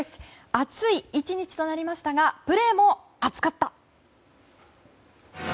熱い１日となりましたがプレーも熱かった！